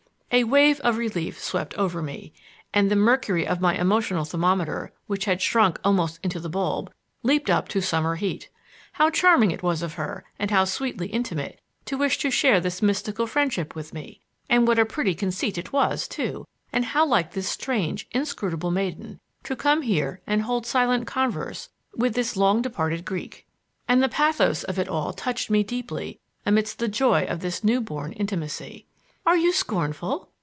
A wave of relief swept over me, and the mercury of my emotional thermometer, which had shrunk almost into the bulb, leaped up to summer heat. How charming it was of her and how sweetly intimate, to wish to share this mystical friendship with me! And what a pretty conceit it was, too, and how like this strange, inscrutable maiden, to come here and hold silent converse with this long departed Greek. And the pathos of it all touched me deeply amidst the joy of this new born intimacy. "Are you scornful?"